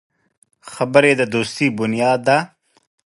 خبرې د دوستي بنیاد دی